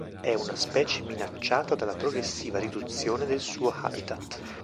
È un specie minacciata dalla progressiva riduzione del suo habitat.